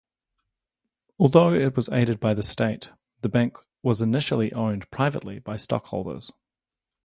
Although it aided the state, the bank was initially owned privately by stockholders.